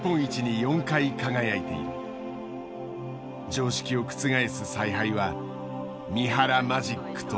常識を覆す采配は「三原マジック」と呼ばれた。